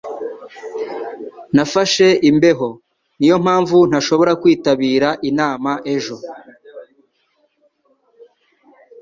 Nafashe imbeho. Niyo mpamvu ntashobora kwitabira inama ejo.